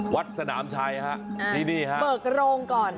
วัดสนามชัยฮะที่นี่ฮะเบิกโรงก่อน